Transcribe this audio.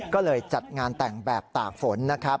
ก็เลยจัดงานแต่งแบบตากฝน